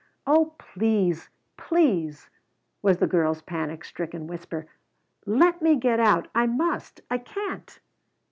"Oh please please!" was the girl's panic stricken whisper. "Let me get out! I must! I can't!"